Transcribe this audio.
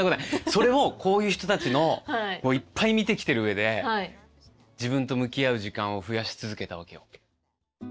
それをこういう人たちのをいっぱい見てきてる上で自分と向き合う時間を増やし続けたわけよ。